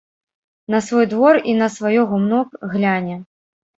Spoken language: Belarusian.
На свой двор і на сваё гумно гляне.